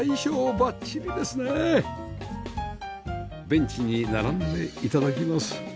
ベンチに並んで頂きます